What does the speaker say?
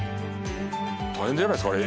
大変じゃないですか？